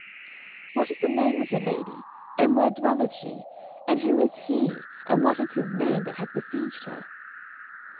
"What is the name of your lady? and where dwelleth she? and who is he, and what is his name, that hath besieged her?"